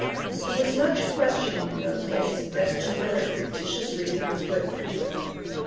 There was much questioning in those days as to whether fictitious reading was good for children.